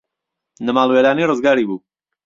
لە ماڵوێرانی ڕزگاری بوو